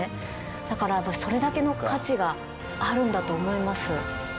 だからそれだけの価値があるんだと思います。